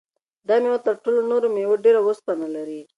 دا مېوه تر ټولو نورو مېوو ډېر اوسپنه لري.